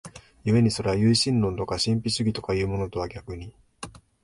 故にそれは唯心論とか神秘主義とかいうものとは逆に、